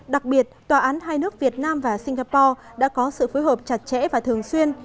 đặc biệt tòa án hai nước việt nam và singapore đã có sự phối hợp chặt chẽ và thường xuyên